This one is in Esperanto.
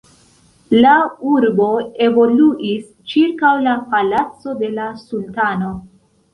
La urbo evoluis ĉirkaŭ la palaco de la sultano.